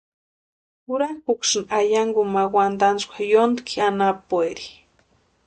Jurakʼuksïni ayankuni ma wantantskwa yóntki anapueri.